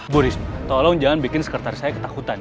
burisma tolong jangan bikin sekretaris saya ketakutan